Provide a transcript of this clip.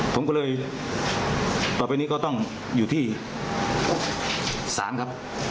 ผมก็เลยต่อไปนี้ก็ต้องอยู่ที่ศาลครับ